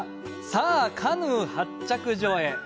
さあ、カヌー発着所へ。